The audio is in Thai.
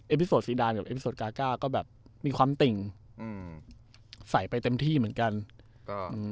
พิโซซีดานกับเอฟโซกาก้าก็แบบมีความติ่งอืมใส่ไปเต็มที่เหมือนกันก็อืม